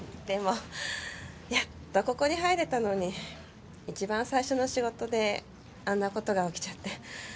でもやっとここに入れたのに一番最初の仕事であんな事が起きちゃって。